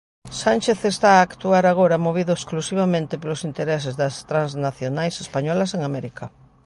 Sánchez está a actuar agora movido exclusivamente polos intereses das transnacionais españolas en América.